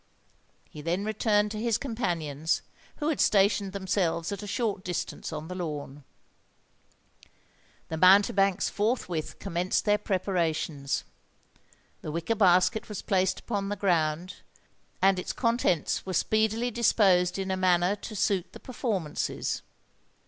He then returned to his companions, who had stationed themselves at a short distance on the lawn. The mountebanks forthwith commenced their preparations. The wicker basket was placed upon the ground; and its contents were speedily disposed in a manner to suit the performances.